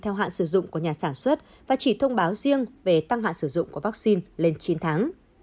theo hạn sử dụng của nhà sản xuất và chỉ thông báo riêng về tăng hạn sử dụng của vaccine lên chín tháng